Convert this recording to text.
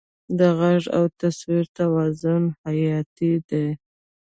د غږ او تصویر توازن حیاتي دی.